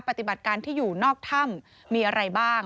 ปฏิบัติการที่อยู่นอกถ้ำมีอะไรบ้าง